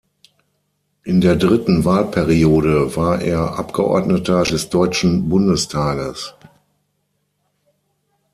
In der dritten Wahlperiode war er Abgeordneter des Deutschen Bundestages.